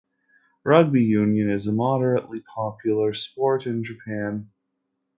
Rugby union is a moderately popular sport in Japan.